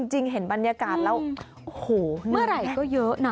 จริงเห็นบรรยากาศแล้วโอ้โหเมื่อไหร่ก็เยอะนะ